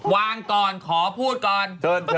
วางก่อนขอพูดก่อน